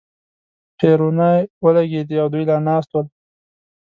پېرونی ولګېدې او دوی لا ناست ول.